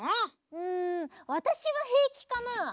うんわたしはへいきかなあ。